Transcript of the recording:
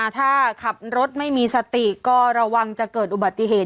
ถ้าขับรถไม่มีสติก็ระวังจะเกิดอุบัติเหตุ